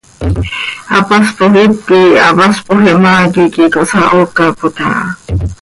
Hapaspoj hipquih hapaspoj ihmaa quih iiqui cohsahoocapot aha.